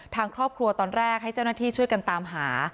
ทางครอบครัวตอนแรกให้เจ้าหน้าที่ช่วยกันตามหา